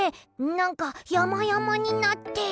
なんかやまやまになってる。